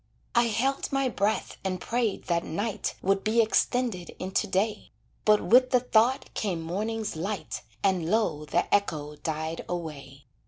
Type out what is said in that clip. I held my breath and prayed that night Would be extended into day, But with the thought came morning's light, And low the echo died away.